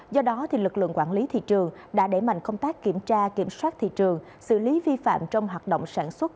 do đó lực lượng quản lý thị trường đã đẩy mạnh công tác kiểm tra kiểm soát thị trường xử lý vi phạm trong hoạt động sản xuất